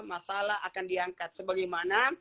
masalah akan diangkat sebagaimana